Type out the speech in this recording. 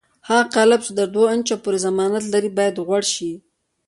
هغه قالب چې تر دوه انچو پورې ضخامت لري باید غوړ شي.